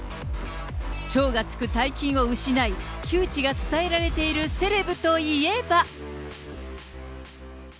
超がつく大金を失い、窮地が伝えられているセレブといえば。